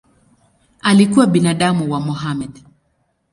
Alikuwa binamu wa Mohamed.